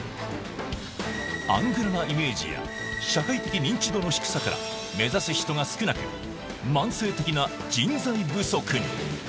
アングラなイメージや、社会的認知度の低さから、目指す人が少なく、慢性的な人材不足に。